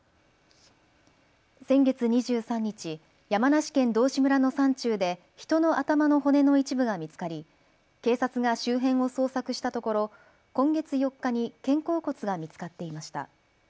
先月２３日、山梨県道志村の山中で人の頭の骨の一部が見つかり警察が周辺を捜索したところ今月４日に肩甲骨が見つかっていました。